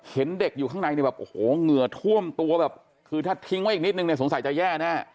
เห็นเด็กอยู่ข้างในเนี่ยแบบโอ้โหเหงื่อท่วมตัวแบบคือถ้าทิ้งไว้อีกนิดนึงเนี่ยสงสัยจะแย่แน่